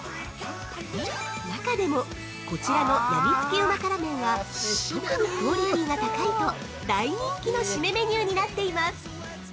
なかでも、こちらの「やみつきうま辛麺」は特にクオリティーが高いと大人気のシメメニューになっています。